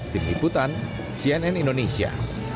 tim iputan cnn indonesia